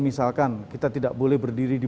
misalkan kita tidak boleh berdiri di